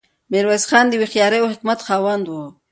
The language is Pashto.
میرویس خان د هوښیارۍ او حکمت خاوند و.